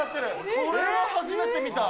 これは初めて見た。